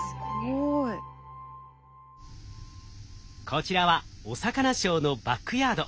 こちらは「おさかなショー」のバックヤード。